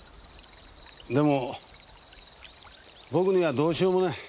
でも僕にはどうしようもない。